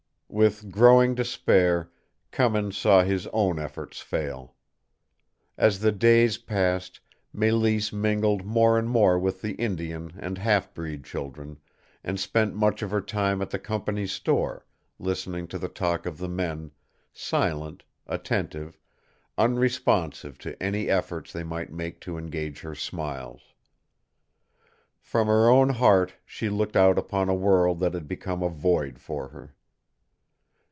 With growing despair, Cummins saw his own efforts fail. As the days passed Mélisse mingled more and more with the Indian and half breed children, and spent much of her time at the company's store, listening to the talk of the men, silent, attentive, unresponsive to any efforts they might make to engage her smiles. From her own heart she looked out upon a world that had become a void for her.